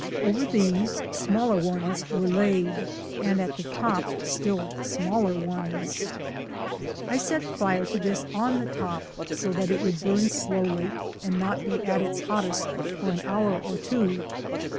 Over these smaller ones were laid, and at the top still smaller ones. I set fire to this on the top so that it would burn slowly and not be at its hottest for an hour or two.